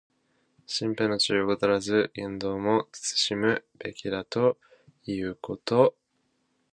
身辺の注意を怠らず、言動も慎むべきだということ。